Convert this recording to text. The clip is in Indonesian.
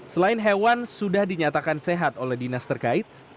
selain hewan sudah dinyatakan sehat oleh dinas terkait